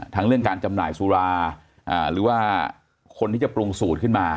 เรื่องการจำหน่ายสุราหรือว่าคนที่จะปรุงสูตรขึ้นมา